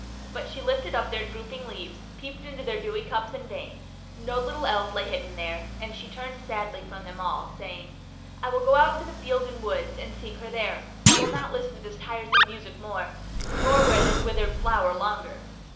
But she lifted up their drooping leaves, peeped into their dewy cups in vain; no little Elf lay hidden there, and she turned sadly from them all, saying, "I will go out into the fields and woods, and seek her there. I will not listen to this tiresome music more, nor wear this withered flower longer."